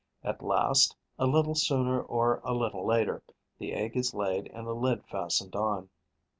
At last, a little sooner or a little later, the egg is laid and the lid fastened on.